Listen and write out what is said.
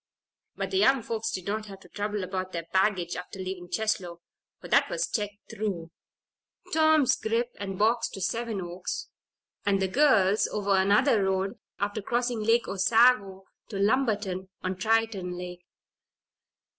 But the young folks did not have to trouble about their baggage after leaving Cheslow, for that was checked through Tom's grip and box to Seven Oaks, and the girls' over another road, after crossing Lake Osago, to Lumberton, on Triton Lake.